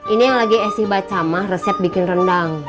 ini yang lagi asy baca mah resep bikin rendang